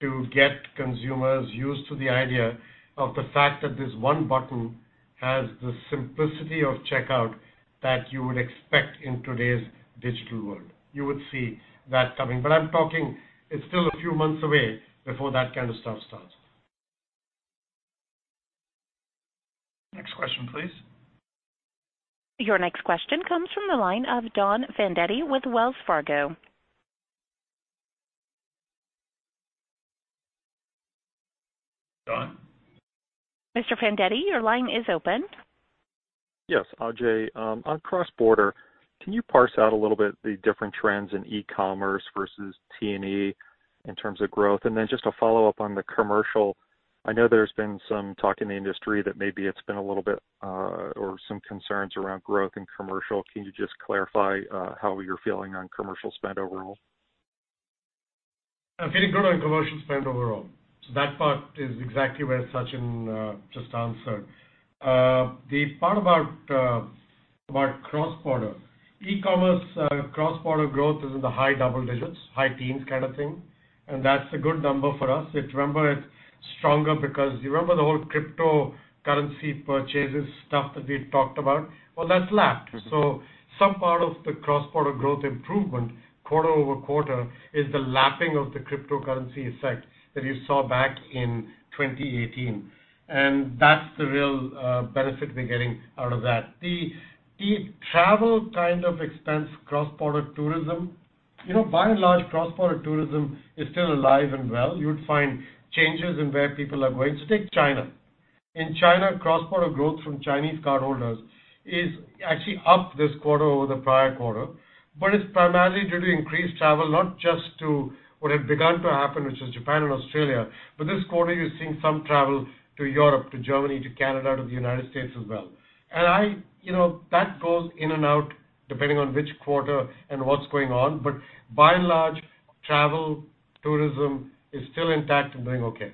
Speaker 3: to get consumers used to the idea of the fact that this one button has the simplicity of checkout that you would expect in today's digital world. You would see that coming. It's still a few months away before that kind of stuff starts.
Speaker 2: Next question, please.
Speaker 1: Your next question comes from the line of Don Fandetti with Wells Fargo.
Speaker 2: Don?
Speaker 1: Mr. Fandetti, your line is open.
Speaker 13: Yes. Ajay, on cross-border, can you parse out a little bit the different trends in e-commerce versus T&E in terms of growth? Then just a follow-up on the commercial, I know there's been some talk in the industry that maybe it's been a little bit, or some concerns around growth in commercial. Can you just clarify how you're feeling on commercial spend overall?
Speaker 3: I'm feeling good on commercial spend overall. That part is exactly where Sachin just answered. The part about cross-border. e-commerce cross-border growth is in the high double digits, high teens kind of thing, and that's a good number for us. Remember, it's stronger because you remember the whole cryptocurrency purchases stuff that we had talked about? Well, that's lapped. Some part of the cross-border growth improvement quarter-over-quarter is the lapping of the cryptocurrency effect that you saw back in 2018. That's the real benefit we're getting out of that. The travel kind of expense, cross-border tourism. By and large, cross-border tourism is still alive and well. You would find changes in where people are going. Take China. In China, cross-border growth from Chinese cardholders is actually up this quarter-over-the prior quarter, but it's primarily due to increased travel, not just to what had begun to happen, which is Japan and Australia. This quarter you're seeing some travel to Europe, to Germany, to Canada, to the U.S. as well. That goes in and out depending on which quarter and what's going on. By and large, travel, tourism is still intact and doing okay.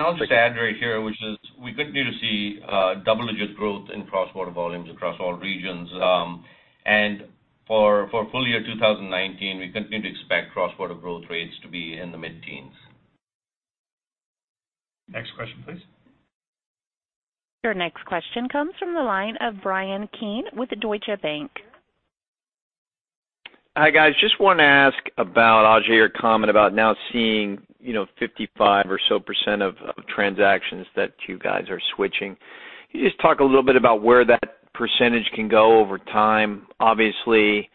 Speaker 4: I'll just add right here, which is we continue to see double-digit growth in cross-border volumes across all regions. For full year 2019, we continue to expect cross-border growth rates to be in the mid-teens.
Speaker 2: Next question, please.
Speaker 1: Your next question comes from the line of Bryan Keane with Deutsche Bank.
Speaker 14: Hi, guys. Just want to ask about, Ajay, your comment about now seeing 55% or so of transactions that you guys are switching. Can you just talk a little bit about where that percentage can go over time? Obviously,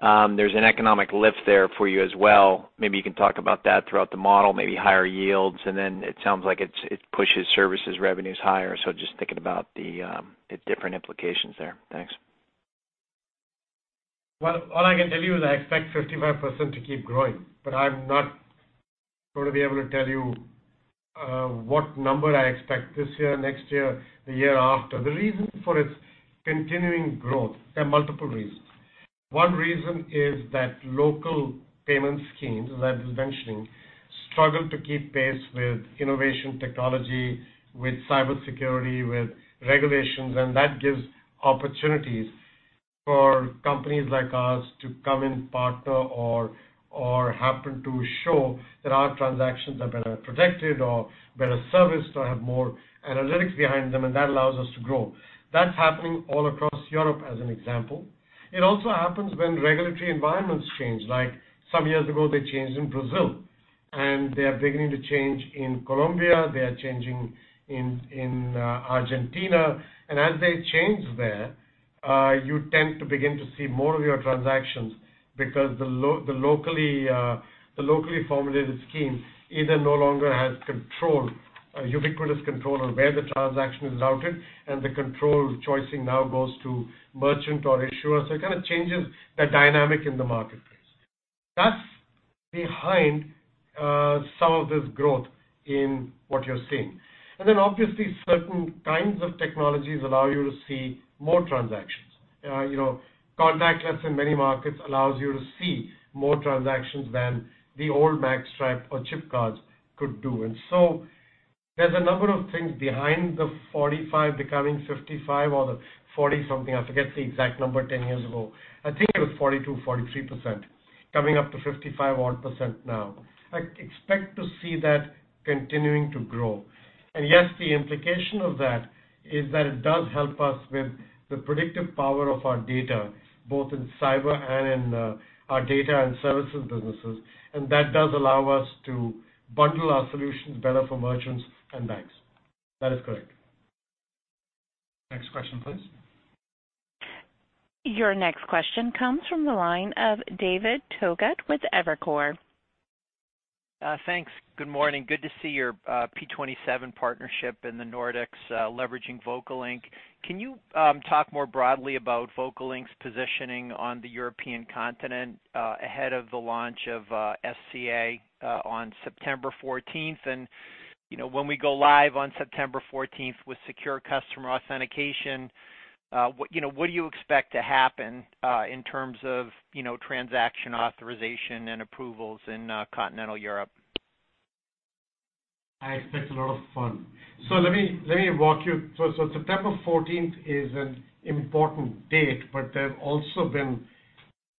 Speaker 14: there's an economic lift there for you as well. Maybe you can talk about that throughout the model, maybe higher yields, and then it sounds like it pushes services revenues higher. Just thinking about the different implications there. Thanks.
Speaker 3: Well, all I can tell you is I expect 55% to keep growing, but I'm not going to be able to tell you what number I expect this year, next year, the year after. The reason for its continuing growth, there are multiple reasons. One reason is that local payment schemes that I was mentioning struggle to keep pace with innovation technology, with cybersecurity, with regulations, and that gives opportunities for companies like us to come in, partner or happen to show that our transactions are better protected or better serviced or have more analytics behind them, and that allows us to grow. That's happening all across Europe as an example. It also happens when regulatory environments change. Like some years ago, they changed in Brazil, and they are beginning to change in Colombia, they are changing in Argentina. As they change there, you tend to begin to see more of your transactions because the locally formulated scheme either no longer has ubiquitous control on where the transaction is routed, and the control choicing now goes to merchant or issuers. It kind of changes the dynamic in the marketplace. That's behind some of this growth in what you're seeing. Obviously, certain kinds of technologies allow you to see more transactions. contactless in many markets allows you to see more transactions than the old magstripe or chip cards could do. There's a number of things behind the 45 becoming 55 or the 40 something, I forget the exact number, 10 years ago. I think it was 42%, 43% coming up to 55% odd now. I expect to see that continuing to grow. Yes, the implication of that is that it does help us with the predictive power of our data, both in cyber and in our data and services businesses. That does allow us to bundle our solutions better for merchants and banks. That is correct.
Speaker 2: Next question, please.
Speaker 1: Your next question comes from the line of David Togut with Evercore.
Speaker 15: Thanks. Good morning. Good to see your P27 partnership in the Nordics leveraging VocaLink. Can you talk more broadly about VocaLink's positioning on the European continent ahead of the launch of SCA on September 14th? When we go live on September 14th with secure customer authentication, what do you expect to happen, in terms of transaction authorization and approvals in continental Europe?
Speaker 3: I expect a lot of fun. September 14th is an important date, but there have also been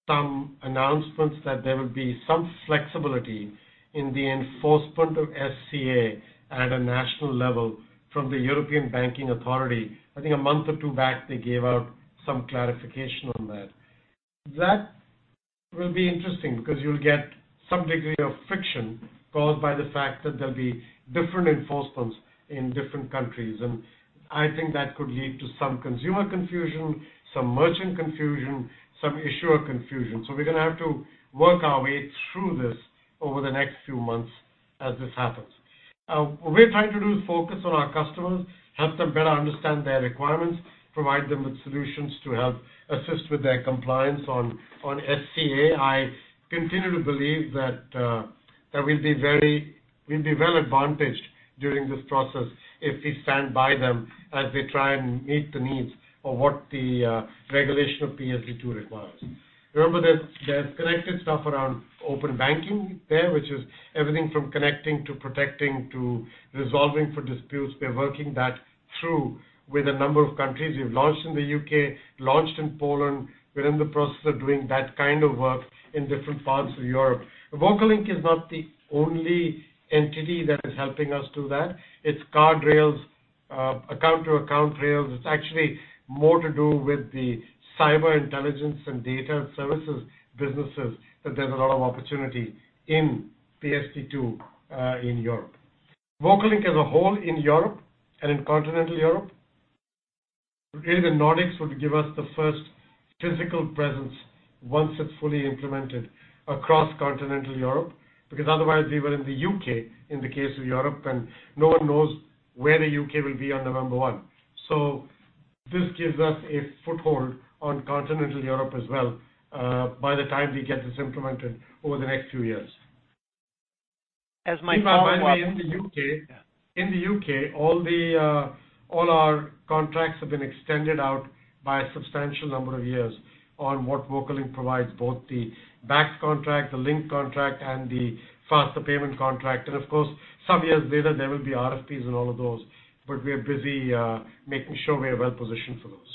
Speaker 3: some announcements that there will be some flexibility in the enforcement of SCA at a national level from the European Banking Authority. I think a month or two back, they gave out some clarification on that. That will be interesting because you'll get some degree of friction caused by the fact that there'll be different enforcements in different countries, and I think that could lead to some consumer confusion, some merchant confusion, some issuer confusion. We're going to have to work our way through this over the next few months as this happens. What we're trying to do is focus on our customers, help them better understand their requirements, provide them with solutions to help assist with their compliance on SCA. I continue to believe that we'll be well-advantaged during this process if we stand by them as we try and meet the needs of what the regulation of PSD2 requires. Remember that there's connected stuff around open banking there, which is everything from connecting to protecting to resolving for disputes. We're working that through with a number of countries. We've launched in the U.K., launched in Poland. We're in the process of doing that kind of work in different parts of Europe. VocaLink is not the only entity that is helping us do that. It's card rails, account-to-account rails. It's actually more to do with the cyber intelligence and data services businesses, that there's a lot of opportunity in PSD2, in Europe. VocaLink as a whole in Europe and in continental Europe, really the Nordics would give us the first physical presence once it's fully implemented across continental Europe, because otherwise we were in the U.K. in the case of Europe, and no one knows where the U.K. will be on November 1. This gives us a foothold on continental Europe as well, by the time we get this implemented over the next few years.
Speaker 15: As my follow-up-
Speaker 3: By the way, in the U.K., all our contracts have been extended out by a substantial number of years on what VocaLink provides, both the Bacs contract, the link contract, and the Faster Payments contract. Of course, some years later, there will be RFPs and all of those. We are busy making sure we are well-positioned for those.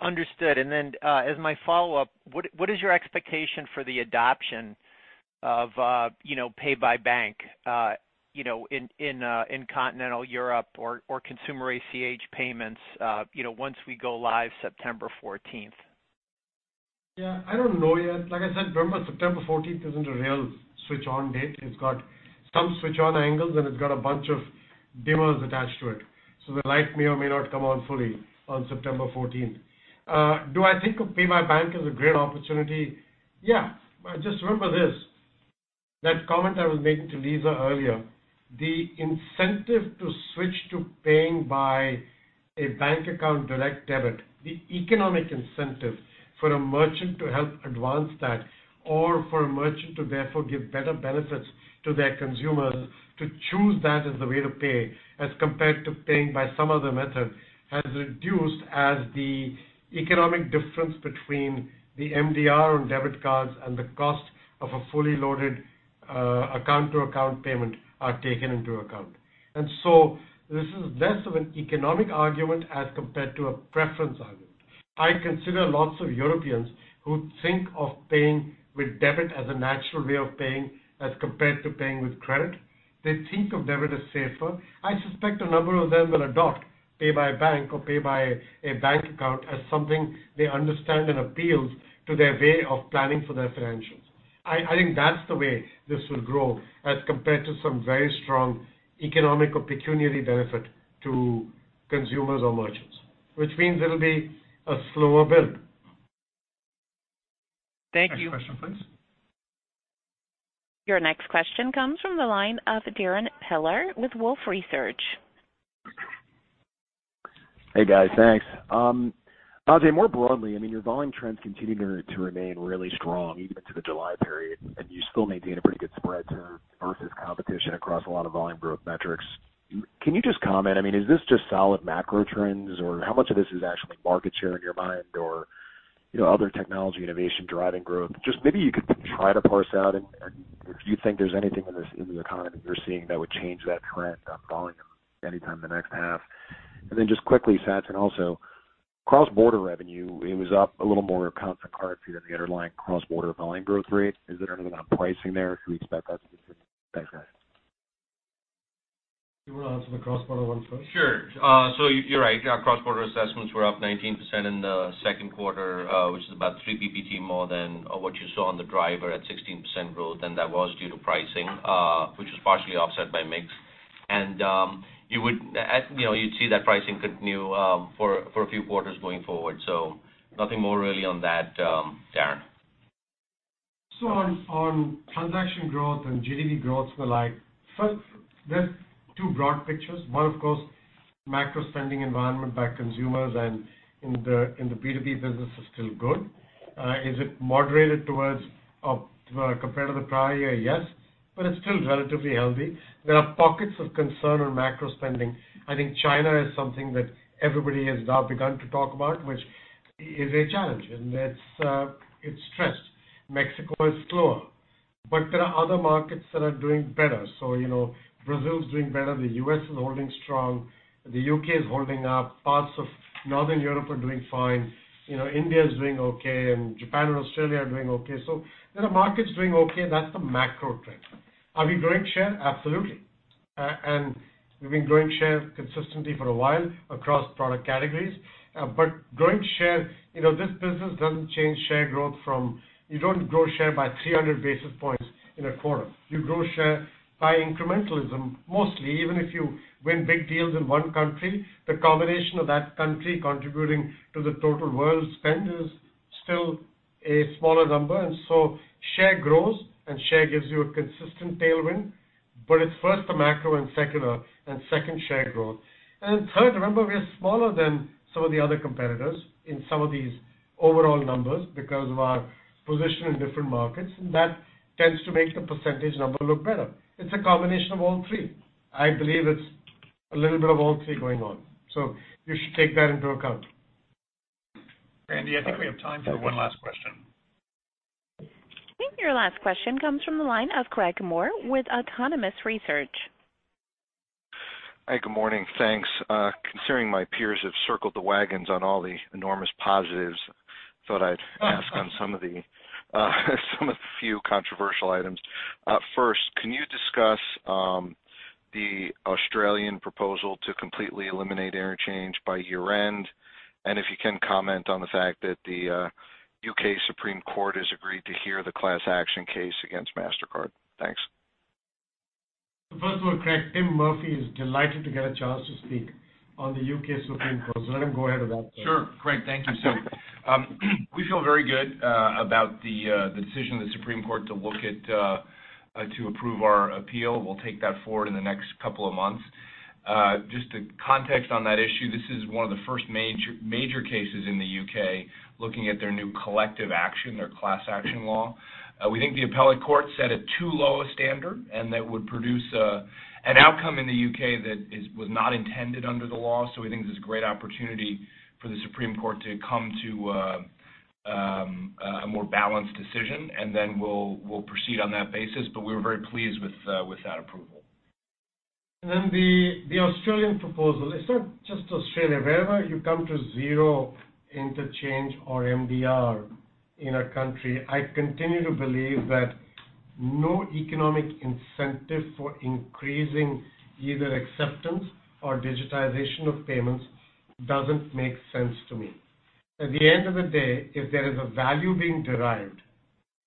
Speaker 15: Understood. As my follow-up, what is your expectation for the adoption of pay by bank, in continental Europe or consumer ACH payments, once we go live September 14th?
Speaker 3: Yeah, I don't know yet. Like I said, remember, September 14th isn't a real switch-on date. It's got some switch-on angles. It's got a bunch of demos attached to it. The light may or may not come on fully on September 14th. Do I think pay by bank is a great opportunity? Yeah. Just remember this, that comment I was making to Lisa earlier. The incentive to switch to paying by a bank account direct debit, the economic incentive for a merchant to help advance that or for a merchant to therefore give better benefits to their consumers to choose that as the way to pay as compared to paying by some other method, has reduced as the economic difference between the MDR on debit cards and the cost of a fully loaded account-to-account payment are taken into account. This is less of an economic argument as compared to a preference argument. I consider lots of Europeans who think of paying with debit as a natural way of paying as compared to paying with credit. They think of debit as safer. I suspect a number of them will adopt pay by bank or pay by a bank account as something they understand and appeals to their way of planning for their financials. I think that's the way this will grow as compared to some very strong economic or pecuniary benefit to consumers or merchants. Which means it will be a slower build.
Speaker 15: Thank you.
Speaker 2: Next question, please.
Speaker 1: Your next question comes from the line of Darrin Peller with Wolfe Research.
Speaker 16: Hey, guys. Thanks. Ajay, more broadly, your volume trends continue to remain really strong even into the July period, and you still maintain a pretty good spread versus competition across a lot of volume growth metrics. Can you just comment, is this just solid macro trends, or how much of this is actually market share in your mind or other technology innovation driving growth? Just maybe you could try to parse out if you think there's anything in this economy you're seeing that would change that trend on volume anytime in the next half. Then just quickly, Sachin, also cross-border revenue, it was up a little more accounts and cards here than the underlying cross-border volume growth rate. Is it anything on pricing there? Can we expect that to be the case?
Speaker 3: You want to answer the cross-border one first?
Speaker 4: Sure. You're right. Our cross-border assessments were up 19% in the Q2, which is about three PPT more than what you saw on the driver at 16% growth, and that was due to pricing, which was partially offset by mix. You'd see that pricing continue for a few quarters going forward. Nothing more really on that, Darrin.
Speaker 3: On transaction growth and GDV growth were like, first, there's two broad pictures. One, of course, macro spending environment by consumers and in the B2B business is still good. Is it moderated towards compared to the prior year? Yes. It's still relatively healthy. There are pockets of concern on macro spending. I think China is something that everybody has now begun to talk about, which is a challenge, and it's stressed. Mexico is slower, but there are other markets that are doing better. Brazil's doing better. The U.S. is holding strong. The U.K. is holding up. Parts of Northern Europe are doing fine. India is doing okay, and Japan and Australia are doing okay. There are markets doing okay. That's the macro trend. Are we growing share? Absolutely. We've been growing share consistently for a while across product categories. Growing share, this business doesn't change share growth from you don't grow share by 300 basis points in a quarter. You grow share by incrementalism mostly, even if you win big deals in one country, the combination of that country contributing to the total world spend is still a smaller number. Share grows and share gives you a consistent tailwind. It's first the macro and second share growth. Third, remember, we are smaller than some of the other competitors in some of these overall numbers because of our position in different markets, and that tends to make the percentage number look better. It's a combination of all three. I believe it's a little bit of all three going on. You should take that into account.
Speaker 17: Brandy, I think we have time for one last question.
Speaker 1: I think your last question comes from the line of Craig Maurer with Autonomous Research.
Speaker 18: Hi, good morning. Thanks. Considering my peers have circled the wagons on all the enormous positives, thought I'd ask on some of the few controversial items. First, can you discuss the Australian proposal to completely eliminate interchange by year-end? If you can comment on the fact that the U.K. Supreme Court has agreed to hear the class action case against Mastercard. Thanks.
Speaker 3: First of all, Craig, Tim Murphy is delighted to get a chance to speak on the U.K. Supreme Court, so let him go ahead with that bit.
Speaker 17: Sure. Craig, thank you. We feel very good about the decision of the Supreme Court to approve our appeal. We'll take that forward in the next couple of months. Just to context on that issue, this is one of the first major cases in the U.K. looking at their new collective action, their class action law. We think the appellate court set a too low a standard and that would produce an outcome in the U.K. that was not intended under the law. We think this is a great opportunity for the Supreme Court to come to a more balanced decision, and then we'll proceed on that basis. We're very pleased with that approval.
Speaker 3: The Australian proposal, it's not just Australia. Wherever you come to zero interchange or MDR in a country, I continue to believe that no economic incentive for increasing either acceptance or digitization of payments doesn't make sense to me. At the end of the day, if there is a value being derived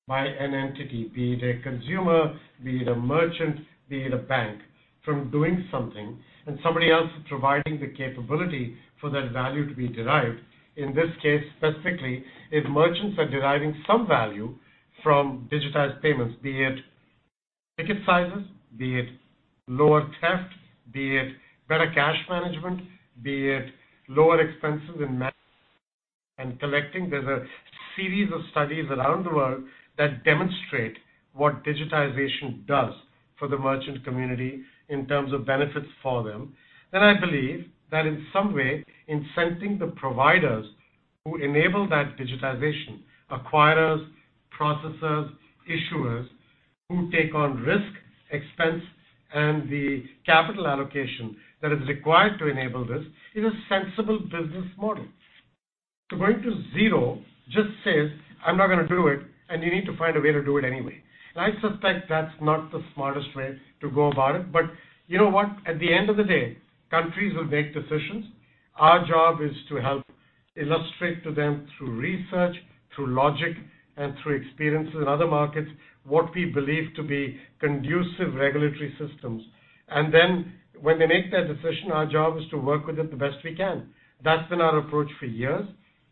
Speaker 3: by an entity, be it a consumer, be it a merchant, be it a bank, from doing something, and somebody else is providing the capability for that value to be derived, in this any case specifically, if merchants are deriving some value from digitized payments, be it ticket sizes, be it lower theft, be it better cash management, be it lower expenses in and collecting, there's a series of studies around the world that demonstrate what digitization does for the merchant community in terms of benefits for them. I believe that in some way, incenting the providers who enable that digitization, acquirers, processors, issuers who take on risk, expense, and the capital allocation that is required to enable this is a sensible business model. To going to zero just says, "I'm not going to do it," and you need to find a way to do it anyway. I suspect that's not the smartest way to go about it. You know what? At the end of the day, countries will make decisions. Our job is to help illustrate to them through research, through logic, and through experiences in other markets what we believe to be conducive regulatory systems. When they make that decision, our job is to work with it the best we can. That's been our approach for years.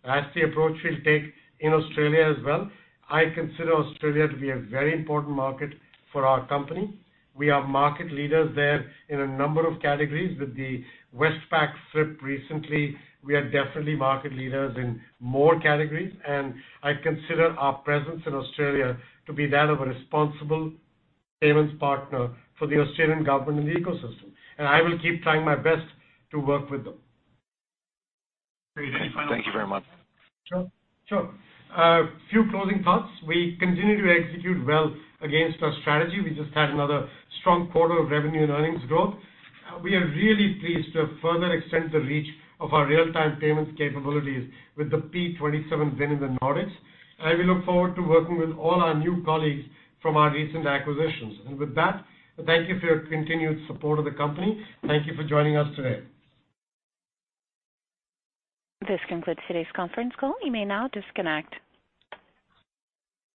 Speaker 3: That's the approach we'll take in Australia as well. I consider Australia to be a very important market for our company. We are market leaders there in a number of categories. With the Westpac flip recently, we are definitely market leaders in more categories, I consider our presence in Australia to be that of a responsible payments partner for the Australian government and the ecosystem. I will keep trying my best to work with them.
Speaker 17: Great. Any final comments?
Speaker 18: Thank you very much.
Speaker 3: Sure. A few closing thoughts. We continue to execute well against our strategy. We just had another strong quarter of revenue and earnings growth. We are really pleased to have further extend the reach of our real-time payments capabilities with the P27 win in the Nordics, and we look forward to working with all our new colleagues from our recent acquisitions. With that, thank you for your continued support of the company. Thank you for joining us today.
Speaker 1: This concludes today's conference call. You may now disconnect.